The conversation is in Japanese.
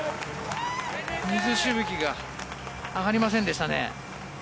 水しぶきが上がりませんでしたね。